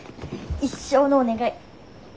一生のお願い。